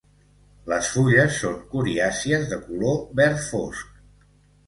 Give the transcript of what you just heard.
Les fulles són coriàcies, de color verd fosc.